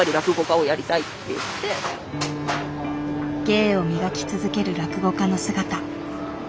芸を磨き続ける落語家の姿。